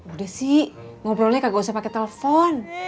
udah sih ngobrolnya kagak usah pake telepon